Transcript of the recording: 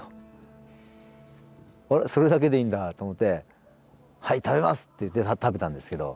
それだけでいいんだと思って「はい食べます」って言って食べたんですけど。